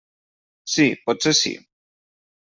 Sí, potser sí.